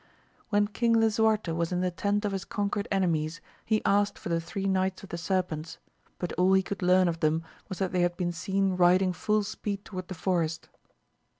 When King Lisuarte was in the tent of his con quered enemies he asked for the three Knights of the Serpents, but all he could learn of them was that they had been seen riding full speed toward the forest.